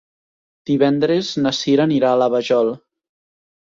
Divendres na Sira anirà a la Vajol.